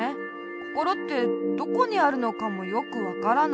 こころってどこにあるのかもよくわからない。